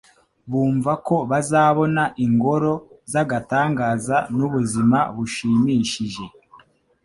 bumva ko bazabona ingoro z'agatangaza n'ubuzima bushimishije,